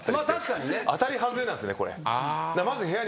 当たり外れなんですねこれ。